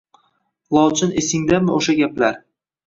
Lochin esingdami o‘sha gaplar